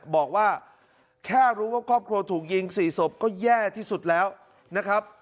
บอกว่าแค่รู้ว่าครอบครัวถูกยิง๔ศพก็แย่ที่สุดแล้วนะครับ